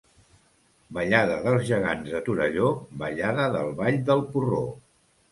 Ballada dels Gegants de Torelló, ballada del "Ball del porró".